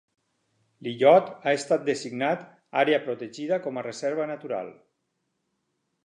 L'illot ha estat designat àrea protegida com a reserva natural.